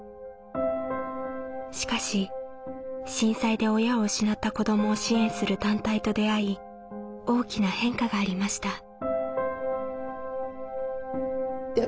しかし震災で親を失った子どもを支援する団体と出会い大きな変化がありました。